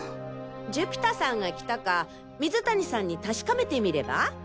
寿飛太さんが来たか水谷さんに確かめてみれば。